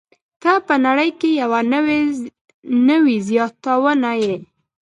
ته په نړۍ کې یوه نوې زياتونه يې.